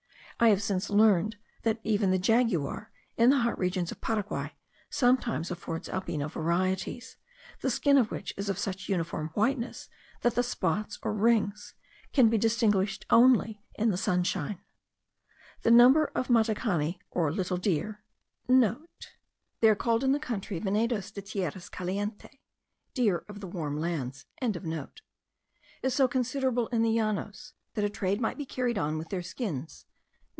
I have since learned, that even the jaguar, in the hot regions of Paraguay, sometimes affords albino varieties, the skin of which is of such uniform whiteness that the spots or rings can be distinguished only in the sunshine. The number of matacani, or little deer,* (* They are called in the country Venados de tierras calientes (deer of the warm lands.)) is so considerable in the Llanos, that a trade might be carried on with their skins.